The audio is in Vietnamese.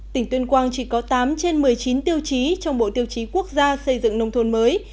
tỉnh tuyên quang chỉ có tám trên một mươi chín tiêu chí trong bộ tiêu chí quốc gia xây dựng nông thôn mới